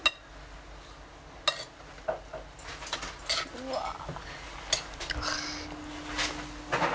「うわっ」